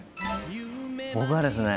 僕はですね